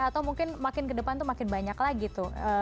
atau mungkin makin ke depan tuh makin banyak lagi tuh